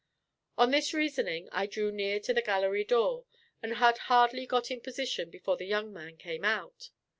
On this reasoning I drew near to the gallery door, and had hardly got in position before the young man came out.